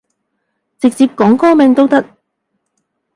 直接講歌名都得